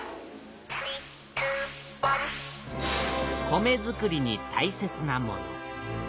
米づくりにたいせつなもの。